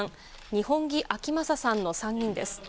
二本樹顕理さんの３人です。